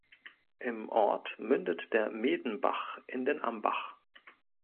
Im Ort mündet der Medenbach in den Ambach.